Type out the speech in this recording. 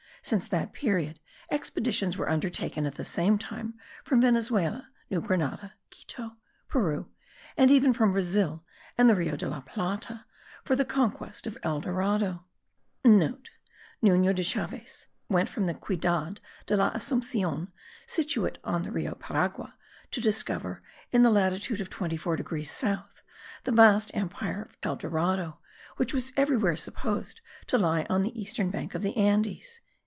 Since that period expeditions were undertaken at the same time from Venezuela, New Grenada, Quito, Peru, and even from Brazil and the Rio de la Plata,* for the conquest of El Dorado. (* Nuno de Chaves went from the Ciudad de la Asumpcion, situate on Rio Paraguay, to discover, in the latitude of 24 degrees south, the vast empire of El Dorado, which was everywhere supposed to lie on the eastern back of the Andes.)